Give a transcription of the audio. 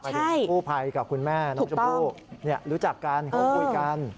ถึงกู้ภัยกับคุณแม่น้องชมพู่รู้จักกันเขาคุยกัน